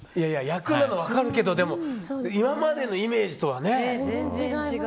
役なのは分かるけどでも、今までのイメージとはね。